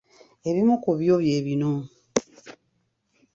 Ebimu ku byo bye bino.